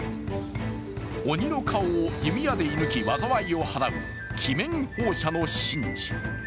鬼の顔を弓矢で射ぬき災いを払う鬼面奉射の神事。